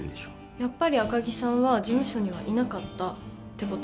やっぱり赤木さんは事務所にはいなかったってこと？